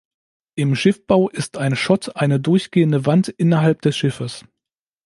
Im Schiffbau ist ein Schott eine durchgehende Wand innerhalb des Schiffes.